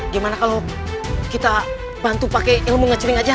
gimana kalau kita bantu pakai ilmu ngecering aja